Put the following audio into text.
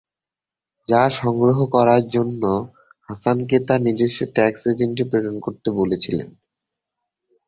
যা সংগ্রহ করার জন্য হাসানকে তার নিজস্ব ট্যাক্স এজেন্ট প্রেরণ করতে বলেছিলেন।